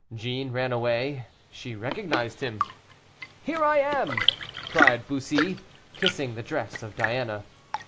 Jeanne ran away she recognized him. "Here I am!" cried Bussy, kissing the dress of Diana.